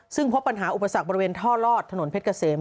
ซึ่งพบปัญหาอุปสรรคบริเวณท่อลอดถนนเพชรเกษม